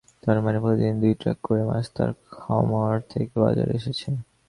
তার মানে প্রতিদিন দুই ট্রাক করে মাছ তাঁর খামার থেকে বাজারে এসেছে।